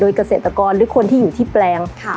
เกษตรกรหรือคนที่อยู่ที่แปลง